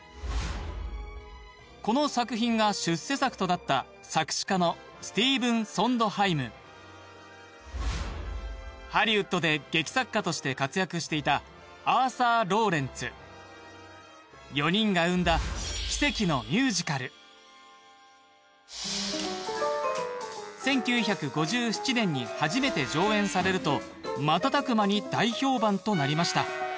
この作品が出世作となった作詞家のスティーブン・ソンドハイムハリウッドで劇作家として活躍していたアーサー・ローレンツ４人が生んだ１９５７年に初めて上演されると瞬く間に大評判となりました